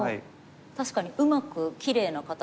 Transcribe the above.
確かにうまくきれいな形で。